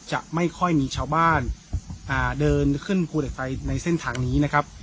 จะไม่ค่อยมีชาวบ้านเดินขึ้นภูเหล็กไฟในเส้นทางนี้นะครับ